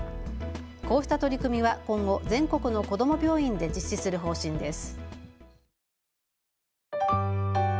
こうした取り組みは今後、全国の子ども病院で実施する方針です。